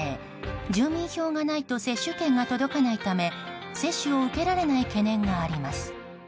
住民票がないと接種券が届かないため接種を受けられない懸念があります。